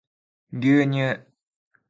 牛乳